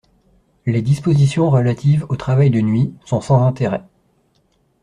Les dispositions relatives au travail de nuit sont sans intérêt.